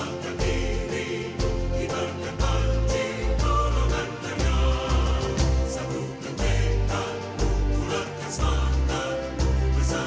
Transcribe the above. mari kami berkata